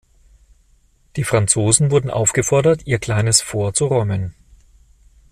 Die Franzosen wurden aufgefordert, ihr kleines Fort zu räumen.